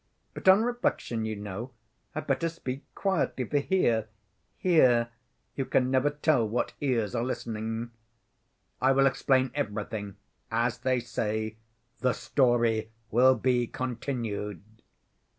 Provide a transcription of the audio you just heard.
But on reflection, you know, I'd better speak quietly, for here—here—you can never tell what ears are listening. I will explain everything; as they say, 'the story will be continued.